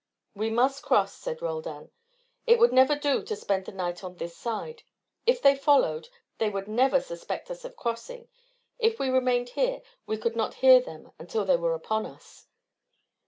"We must cross," said Roldan. "It would never do to spend the night on this side. If they followed, they would never suspect us of crossing. If we remained here, we could not hear them until they were upon us."